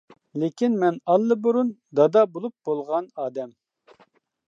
لېكىن مەن ئاللىبۇرۇن دادا بولۇپ بولغان ئادەم.